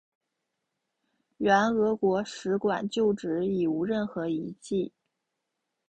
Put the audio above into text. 原俄国使馆旧址已无任何遗迹。